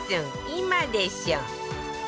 今でしょ』